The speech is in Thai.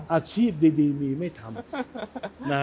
อาชีพดีมีไม่ทำ